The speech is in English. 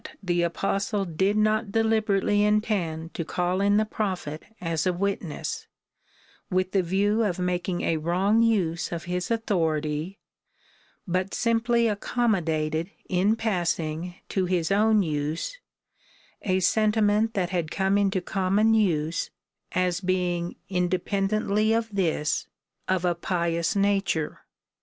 the Apostle did not deliberately intend to call in the Pro phet as a witness, with the view of making a wrong use of his authority, but simply accommodated, in passing, to his own use a sentiment that had come into common use, as being, independently of this, of a pious nature.